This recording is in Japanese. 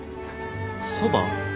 そば？